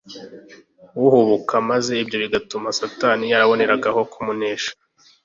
uhubuka, maze ibyo bigatuma Satani yaraboneragaho kumunesha.